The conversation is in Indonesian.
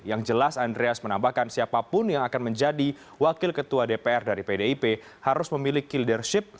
yang jelas andreas menambahkan siapapun yang akan menjadi wakil ketua dpr dari pdip harus memiliki leadership